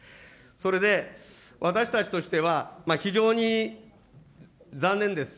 それで私たちとしては、非常に残念です。